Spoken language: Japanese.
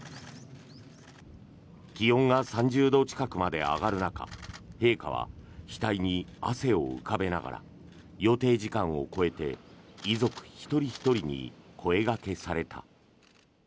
気温が３０度近くまで上がる中陛下は額に汗を浮かべながら予定時間を超えて遺族一人ひとりに声掛けされた。